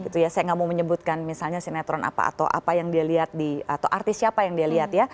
saya tidak mau menyebutkan misalnya sinetron apa atau artis siapa yang dia lihat